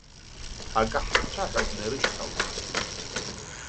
Акаҳԥцәа ҳәа днарышьҭалт.